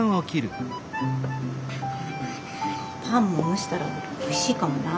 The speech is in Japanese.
パンも蒸したらおいしいかもな。